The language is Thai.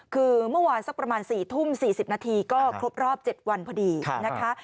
คือเมื่อวานสักประมาณ๔ทุ่ม๔๐นาทีก็ครบรอบ๗วันพอดีนะคะ